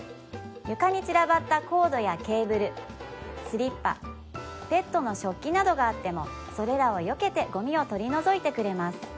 床に散らばったコードやケーブルスリッパペットの食器などがあってもそれらをよけてゴミを取り除いてくれます